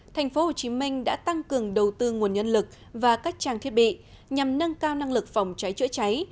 tp hcm đã tăng cường đầu tư nguồn nhân lực và các trang thiết bị nhằm nâng cao năng lực phòng cháy chữa cháy